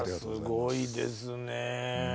すごいですね。